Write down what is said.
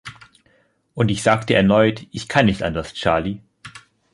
Und ich sagte erneut: „Ich kann nicht anders, Charley.”